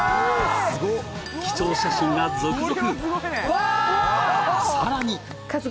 ・すごっ貴重写真が続々！